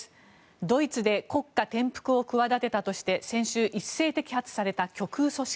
ドイツで国家転覆を企てたとして先週一斉摘発された極右組織。